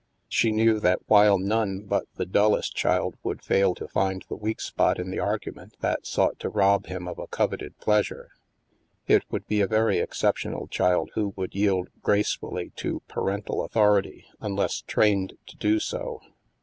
She knew that while none but the dullest child would fail to find the weak spot in the argument that sought to rob him of a coveted pleas ure, it would be a very exceptional child who would yield gracefully to parental authority unless trained to do so.